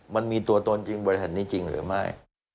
มันมีตัวตนจริงบริษัทนี้จริงหรือไม่